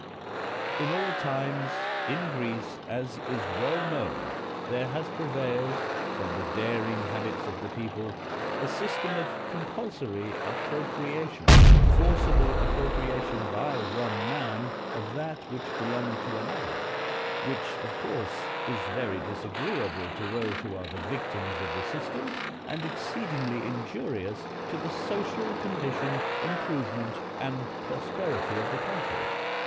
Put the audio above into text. In all times in Greece, as is well known, there has prevailed, from the daring habits of the people, a system of compulsory appropriation — 196 PALMERSTON forcible appropriation by one man of that which belonged to another; which, of course, is very disagreeable to those who are the \actims of the system, and exceedingly injurious to the social condition, improvement, and prosperity of the country.